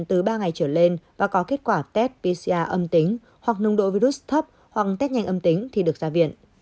người bệnh covid một mươi chín từ ba ngày trở lên và có kết quả test pcr âm tính hoặc nông độ virus thấp hoặc test nhanh âm tính thì được ra viện